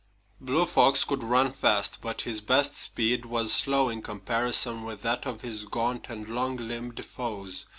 Blue Fox could run fast, but his best speed was slow in comparison with that of his gaunt and long limbed foes.